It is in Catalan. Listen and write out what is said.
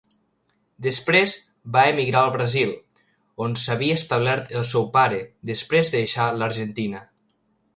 Després va emigrar al Brasil, on s'havia establert el seu pare després de deixar l'Argentina.